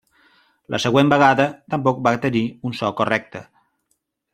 La següent vegada tampoc va tenir un so correcte.